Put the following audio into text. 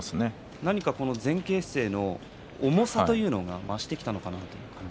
何かこの前傾姿勢の重さというのが増してきたのかな